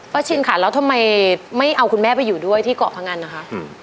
ชินค่ะแล้วทำไมไม่เอาคุณแม่ไปอยู่ด้วยที่เกาะพงันนะคะ